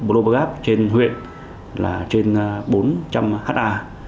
global gap trên huyện là trên bốn trăm linh ha